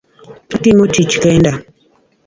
Atimo tich kenda.